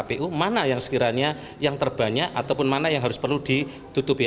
kpu mana yang sekiranya yang terbanyak ataupun mana yang harus perlu ditutupi